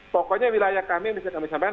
pokoknya wilayah kami yang bisa kami sampaikan